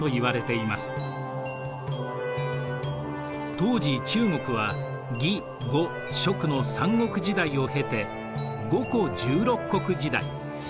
当時中国は魏呉蜀の三国時代を経て五胡十六国時代。